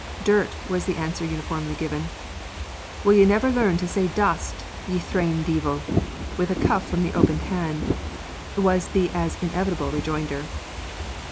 "DIRT," was the answer uniformly given. "Wull ye never learn to say dust, ye thrawn deevil?" with a cuff from the opened hand, was the as inevitable rejoinder.